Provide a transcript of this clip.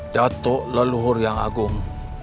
datuk leluhur yang agung